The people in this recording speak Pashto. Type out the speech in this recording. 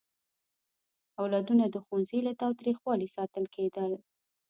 اولادونه د ښوونځي له تاوتریخوالي ساتل کېدل.